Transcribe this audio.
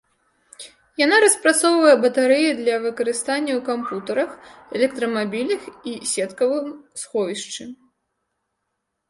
Яна распрацоўвае батарэі для выкарыстання ў кампутарах электрамабілях і сеткавым сховішчы.